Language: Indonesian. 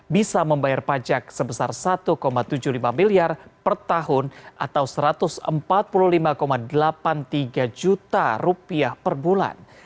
bisa membayar pajak sebesar satu tujuh puluh lima miliar per tahun atau rp satu ratus empat puluh lima delapan puluh tiga juta rupiah per bulan